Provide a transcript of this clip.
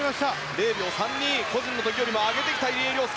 ０秒３２個人よりも上げてきた入江陵介。